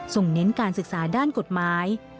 เน้นการศึกษาด้านกฎหมาย